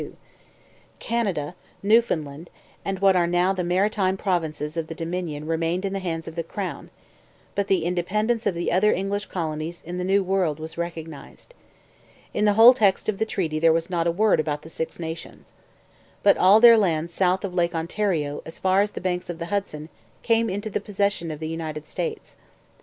Canada, Newfoundland, and what are now the Maritime Provinces of the Dominion remained in the hands of the crown, but the independence of the other English colonies in the New World was recognized. In the whole text of the treaty there was not a word about the Six Nations. But all their lands south of Lake Ontario as far as the banks of the Hudson came into the possession of the United States.